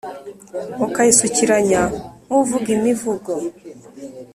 ukayisukiranya nk’uvuga imivugo